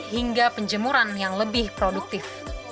hingga penjemuran yang lebih produktif